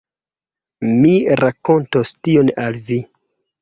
Mi rakontos tion al vi.